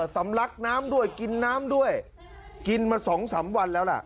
สำลักน้ำด้วยกินน้ำด้วยกินมา๒๓วันแล้วล่ะ